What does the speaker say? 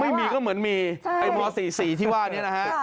ไม่มีก็เหมือนมีไอ้ม๔๔ที่ว่านี้นะฮะ